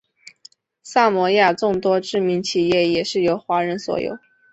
萨摩亚众多知名企业也是由华人所有。